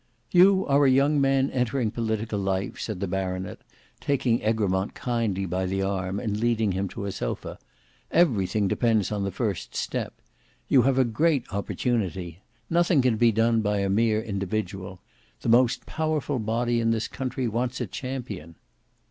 "You are a young man entering political life," said the baronet, taking Egremont kindly by the arm, and leading him to a sofa; "everything depends on the first step. You have a great opportunity. Nothing can be done by a mere individual. The most powerful body in this country wants a champion."